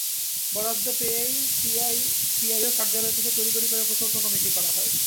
বরাদ্দ পেয়ে পিআইও কার্যালয় থেকে তড়িগড়ি করে প্রকল্প কমিটি করা হয়।